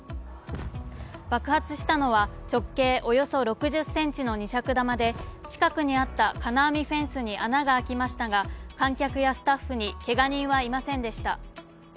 爆発したのは、直径およそ６０ｃｍの２尺玉で近くにあった金網フェンスに穴が開きましたが観客やスタッフにけが人はいませんでした。